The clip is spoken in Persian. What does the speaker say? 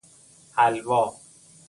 حلوا